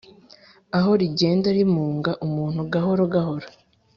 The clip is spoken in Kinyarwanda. aho rigenda rimunga umuntu gahoro gahoro